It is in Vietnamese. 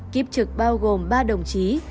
kiếp trực bao gồm ba đồng chí